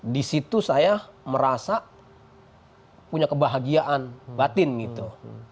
disitu saya merasa punya kebahagiaan batin gitu